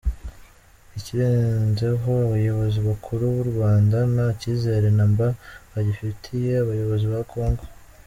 Ikirenzeho abayobozi bakuru b’u Rwand nta cyizere na mba bagifitiye abayobozi ba Congo.